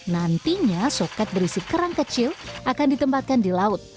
nantinya soket berisi kerang kecil akan ditempatkan di laut